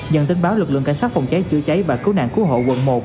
dân tính báo lực lượng cảnh sát phòng cháy chữa cháy và cứu nạn cứu hộ quận một